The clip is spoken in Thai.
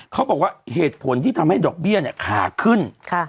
เขาบอกว่าเหตุผลที่ทำให้ดอกเบี้ยเนี่ยขาขึ้น